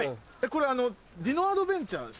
これディノアドベンチャーですか？